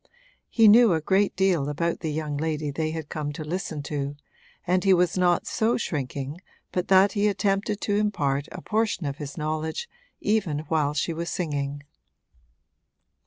He knew a great deal about the young lady they had come to listen to, and he was not so shrinking but that he attempted to impart a portion of his knowledge even while she was singing.